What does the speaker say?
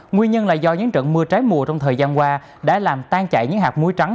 nguyên nhân là do những trận mưa trái mùa trong thời gian qua đã làm tan chảy những hạt muối trắng